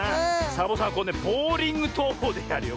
サボさんはボウリングとうほうでやるよ